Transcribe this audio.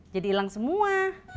jadi hilang semua